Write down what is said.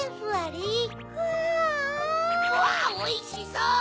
わっおいしそう！